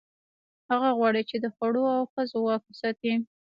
هغه غواړي، چې د خوړو او ښځو واک وساتي.